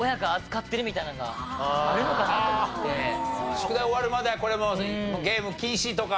宿題終わるまではこれもうゲーム禁止とか。